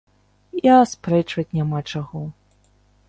І аспрэчваць няма чаго.